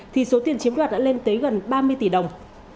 thì số tiền chiếm đoạt đã lên tới gần ba mươi tỷ đồng